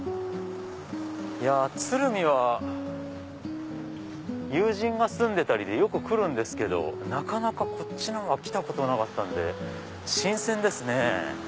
鶴見は友人が住んでたりでよく来るんですけどなかなかこっちのほうは来たことなかったんで新鮮ですね。